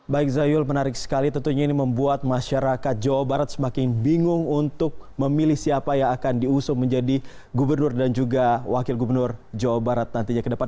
baik zayul menarik sekali tentunya ini membuat masyarakat jawa barat semakin bingung untuk memilih siapa yang akan diusung menjadi gubernur dan juga wakil gubernur jawa barat nantinya ke depan